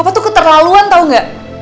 papa tuh keterlaluan tau gak